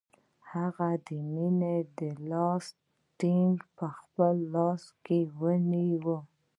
هغې د مینې لاس ټینګ په خپل لاس کې ونیوه